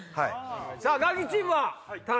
さぁガキチームは田中。